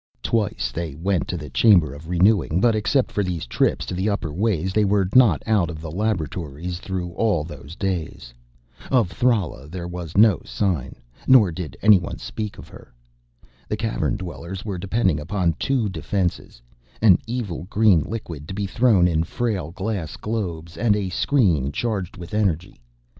Twice they went to the Chamber of Renewing, but except for these trips to the upper ways they were not out of the laboratories through all those days. Of Thrala there was no sign, nor did any one speak of her. The Cavern dwellers were depending upon two defenses: an evil green liquid, to be thrown in frail glass globes, and a screen charged with energy.